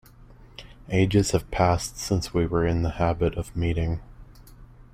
Ages have passed since we were in the habit of meeting.